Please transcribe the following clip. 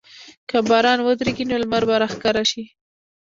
که باران ودریږي، نو لمر به راښکاره شي.